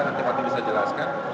nanti fathia bisa jelaskan